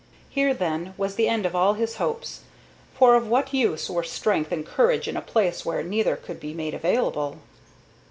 Here, then, was the end of all his hopes, for of what use were strength and courage in a place where neither could be made available?